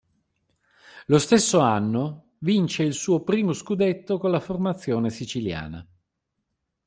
Lo stesso anno vince il suo primo scudetto con la formazione siciliana.